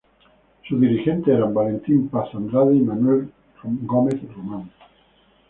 Sus dirigentes eran Valentín Paz Andrade y Manuel Gómez Román.